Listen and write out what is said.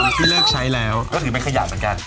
อันนี้คือว่าหัวถุกผักติก